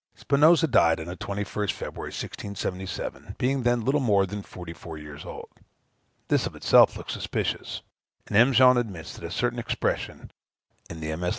Spinosa died on the 21st February, 1677, being then little more than forty four years old. This of itself looks suspicious; and M. Jean admits, that a certain expression in the MS.